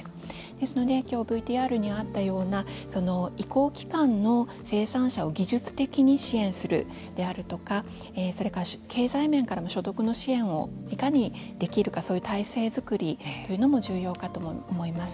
ですので、今日ＶＴＲにあったような移行期間の生産者を技術的に支援するであるとかそれから、経済面からも所得の支援をいかにできるかそういう体制作りも重要かと思います。